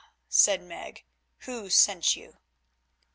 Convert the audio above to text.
said Meg, "who sent you?"